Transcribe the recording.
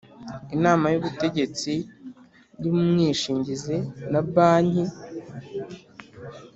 Inama y ubutegetsi y umwishingizi na banki